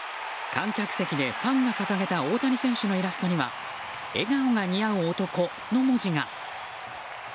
観客席でファンが掲げた大谷選手のイラストには「笑顔が似合う男」の文字が。